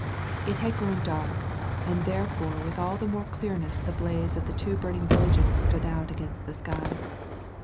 It had grown dark, and therefore with all the more clearness the blaze of two burning villages stood out against the sky.